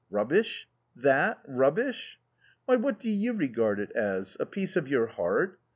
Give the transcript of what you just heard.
" Rubbish— tkat rubbish ?"" Why, what do you regard it as, a piece of your heart?